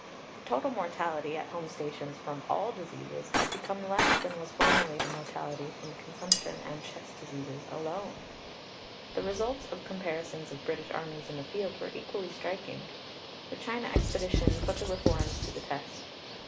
The total mortality at home stations from all diseases had become less than was formerly the mortality from consumption and chest diseases alone. The results of comparisons of British armies in the field were equally striking. The China expedition put the reforms to the test.